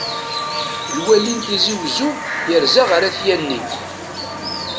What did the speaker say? Lwali n tizi wezzu yerza ɣer At yanni.